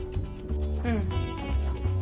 うん。